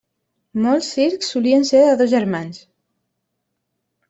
Molts circs solien ser de dos germans.